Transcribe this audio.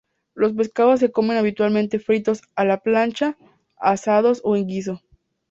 Los pescados se comen habitualmente fritos, a la plancha, asados o en guiso.